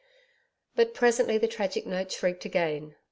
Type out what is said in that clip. But presently the tragic note shrieked again.